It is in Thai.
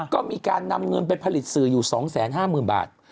ก็มีการนำเงินไปผลิตสื่ออยู่๒๕๐๐๐บาท